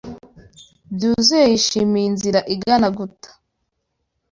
Byuzuye yishimiye inzira igana guta